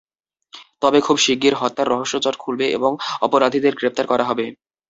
তবে খুব শিগগির হত্যার রহস্যজট খুলবে এবং অপরাধীদের গ্রেপ্তার করা হবে।